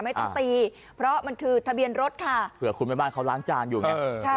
ไม่ต้องตีเพราะมันคือทะเบียนรถค่ะเผื่อคุณแม่บ้านเขาล้างจานอยู่ไง